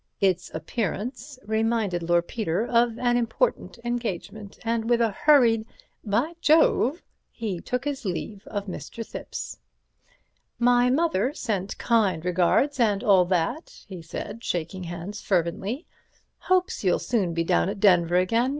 Its appearance reminded Lord Peter of an important engagement, and with a hurried "By Jove!" he took his leave of Mr. Thipps. "My mother sent kind regards and all that," he said, shaking hands fervently; "hopes you'll soon be down at Denver again.